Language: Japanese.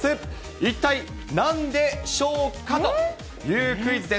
一体なんでしょうかというクイズです。